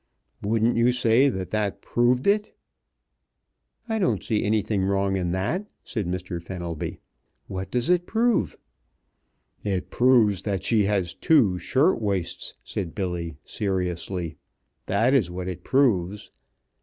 "Wouldn't you say that that proved it?" "I don't see anything wrong in that," said Mr. Fenelby. "What does it prove?" "It proves that she has two shirt waists," said Billy, seriously, "that is what it proves.